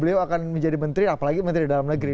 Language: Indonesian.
beliau akan menjadi menteri apalagi menteri dalam negeri